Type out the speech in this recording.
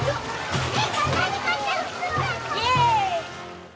イェーイ！